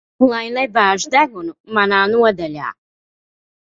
Lai nebāž degunu manā nodaļā.